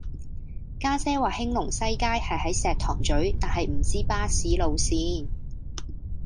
家姐話興隆西街係喺石塘咀但係唔知巴士路線